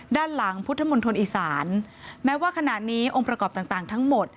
ด้านหลังพุทธมณฑลอีสานแม้ว่าขณะนี้องค์ประกอบต่างทั้งหมด